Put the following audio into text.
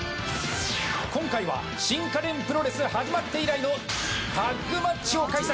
今回は新家電プロレス始まって以来のタッグマッチを開催！